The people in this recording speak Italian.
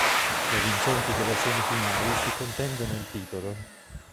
Le vincenti delle semifinali si contendono il titolo.